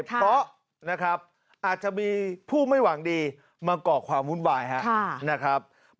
เพราะนะครับอาจจะมีผู้ไม่หวังดีมาก่อความวุ่นวายนะครับ